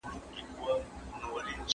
زه بايد سبا ته فکر وکړم!.